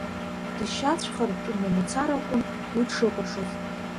Дшьацәхартәны мацаракәын уи дшыкәашоз.